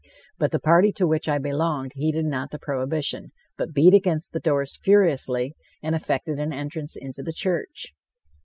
But the party to which I belonged heeded not the prohibition, but beat against the doors furiously and effected an entrance into the church.